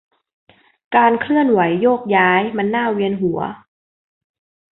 การเคลื่อนไหวโยกย้ายมันน่าเวียนหัว